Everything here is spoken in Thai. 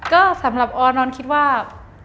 ก็สำหรับออนอนคิดว่า